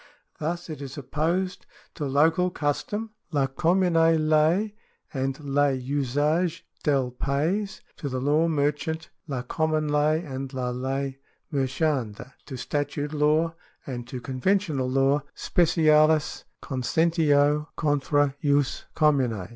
Thus it is opposed to local custom (la commune ley and le umge del pays) ;^ to the law mer chant [la cojnmune ley and la ley merchaimde) ; to statute law ;^ and to conventional law {specialis conventio contra jus commune).